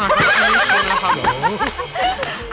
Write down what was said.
งานของคุณ